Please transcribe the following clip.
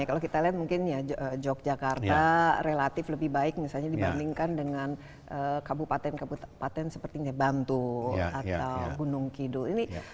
kalau kita lihat mungkin ya yogyakarta relatif lebih baik misalnya dibandingkan dengan kabupaten kabupaten seperti bantu atau gunung kidul